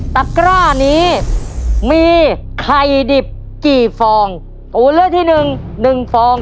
ตะกร้านี้มีไข่ดิบกี่ฟองตัวเลือกที่หนึ่งหนึ่งฟอง